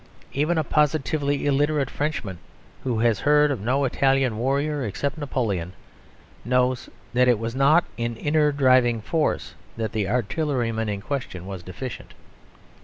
Even a positively illiterate Frenchman, who has heard of no Italian warrior except Napoleon, knows that it was not in "inner driving force" that the artilleryman in question was deficient.